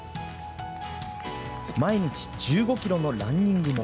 毎日１５キロのランニングも。